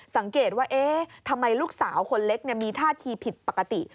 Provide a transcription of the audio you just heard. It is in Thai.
สังเกตว่าเอ๊ะทำไมลูกสาวคนเล็กมีท่าทีผิดปกติ